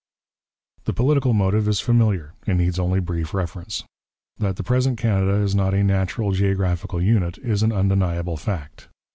The political motive is familiar and needs only brief reference. That the present Canada is not a natural geographical unit is an undeniable fact.